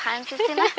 pansi sih nah